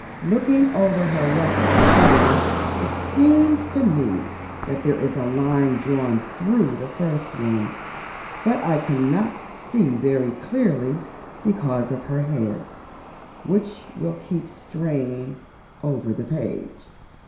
Looking over her left shoulder it seems to me that there is a line drawn through the first one, but I cannot see very clearly because of her hair, which will keep straying over the page.